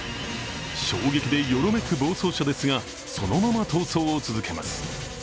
衝撃でよろめく暴走車ですが、そのまま逃走を続けます。